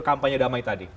kampanye damai tadi